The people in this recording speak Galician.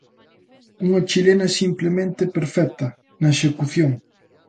Unha chilena simplemente perfecta na execución.